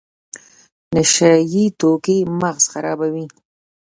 نشه یي توکي مغز خرابوي